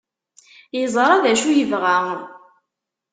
Yeẓra d acu yebɣa.